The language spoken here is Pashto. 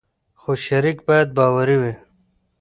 خو شریک باید باوري وي.